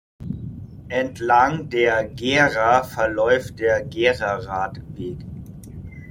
Entlang der Gera verläuft der Gera-Radweg.